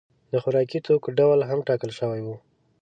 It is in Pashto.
د خوراکي توکو ډول هم ټاکل شوی و.